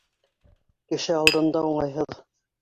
Кеше алдында уңайһыҙ.